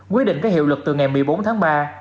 quy định cái hiệu luật từ ngày một mươi bốn tháng ba